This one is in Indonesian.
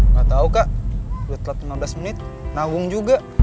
nggak tahu kak udah telat lima belas menit nawung juga